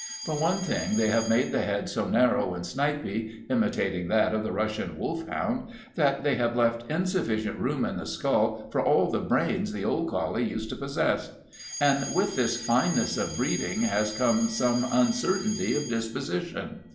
For one thing, they have made the head so narrow and snipey, imitating that of the Russian wolfhound, that they have left insufficient room in the skull for all the brains the old collie used to possess. And with this fineness of breeding has come some uncertainty of disposition.